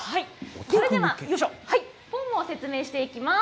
それでは、フォームを説明していきます。